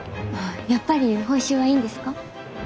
やっぱり報酬はいいんですか？